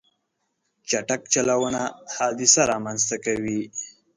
چټک چلوونه حادثه رامنځته کوي.